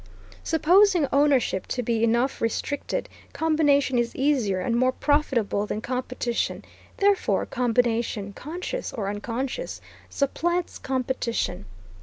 Supposing ownership to be enough restricted, combination is easier and more profitable than competition; therefore combination, conscious or unconscious, supplants competition.